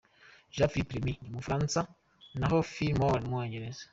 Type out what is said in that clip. Jean Philippe Remy ni umufaransa na yo Phil Moore ni umwongereza.